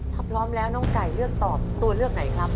ถ้าพร้อมแล้วน้องไก่เลือกตอบตัวเลือกไหนครับ